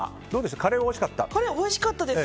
カレーおいしかったです。